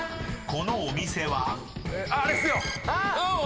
［このお店は？］ＯＫ！